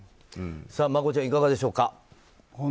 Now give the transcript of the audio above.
マコちゃん、いかがでしょうか。